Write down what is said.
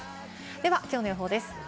ではきょうの予報です。